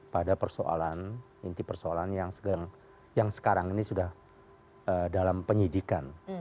pada persoalan inti persoalan yang sekarang ini sudah dalam penyidikan